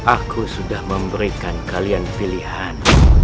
aku sudah memberikan kalian pilihan